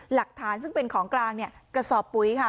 หลักฐานซึ่งเป็นของกลางกระสอบปุ๋ยค่ะ